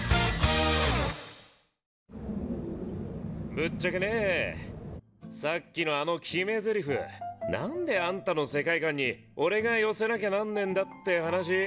ぶっちゃけねさっきのあの決め台詞何でアンタの世界観に俺が寄せなきゃなんねぇんだって話。